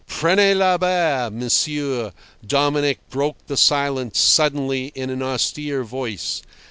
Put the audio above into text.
"Prenez la barre, monsieur," Dominic broke the silence suddenly in an austere voice.